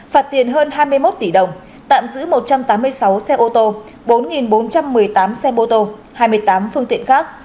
phạt tiền hơn hai mươi một tỷ đồng tạm giữ một trăm tám mươi sáu xe ô tô bốn bốn trăm một mươi tám xe mô tô hai mươi tám phương tiện khác